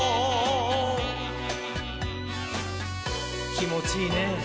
きもちいいねぇ。